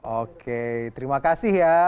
oke terima kasih ya